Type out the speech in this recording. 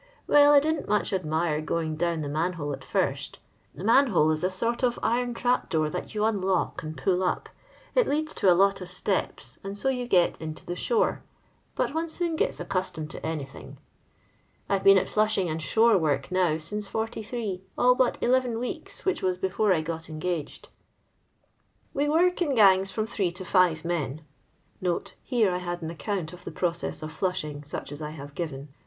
Well, I didn't much admin going down the man hole at first — the ' man kole' is a sort of iron trap door that you uilock lad pull up; it leads to a lot of aUym, and ao yoa get into the shore — but one toon get* aocuttomed to anything. I 've been at fluabing and skvre work now since '43, all but eleven weekly whkk was before I got engaged. We work in gangs from three to five men." [Hat I had an account of the proceaa of flashing, sock as I have given.